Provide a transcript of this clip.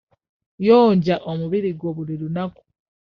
Yonja omubiri gwo buli lunaku.